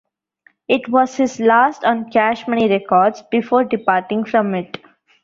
It was his last on Cash Money Records before departing from it.